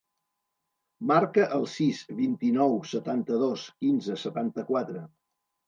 Marca el sis, vint-i-nou, setanta-dos, quinze, setanta-quatre.